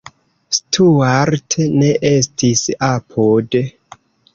Stuart ne estis apud.